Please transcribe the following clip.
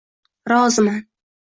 Roziman!